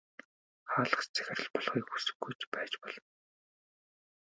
Хаалгач захирал болохыг хүсэхгүй ч байж болно.